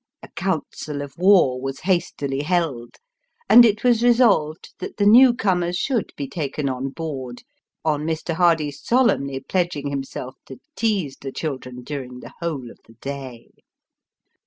A council of war was hastily held, and it was resolved that the new comers should bo taken on board, on Mr. Hardy's solemnly pledging himself to tease the children during the whole of the day.